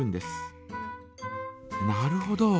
なるほど。